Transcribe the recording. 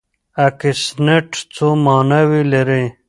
اکسنټ څو ماناوې لري؟